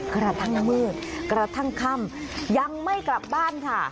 กระทั่งมืดกระทั่งค่ำยังไม่กลับบ้านค่ะ